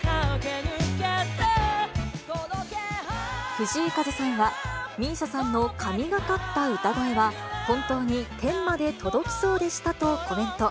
藤井風さんは、ＭＩＳＩＡさんの神がかった歌声は、本当に天まで届きそうでしたとコメント。